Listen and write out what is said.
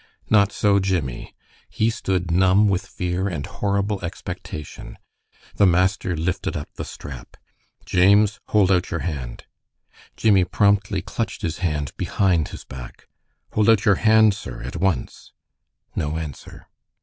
Not so Jimmie. He stood numb with fear and horrible expectation. The master lifted up the strap. "James, hold out your hand!" Jimmie promptly clutched his hand behind his back. "Hold out your hand, sir, at once!" No answer.